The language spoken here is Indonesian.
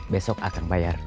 besok akan bayar